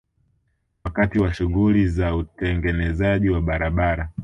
Wakati wa shughuli za utengenezaji wa barabara